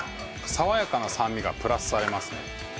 さわやかな酸味がプラスされますね